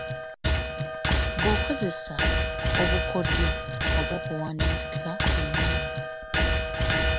Bw'okozesa “Obukodyo” obw'okuwandiika ennyimba.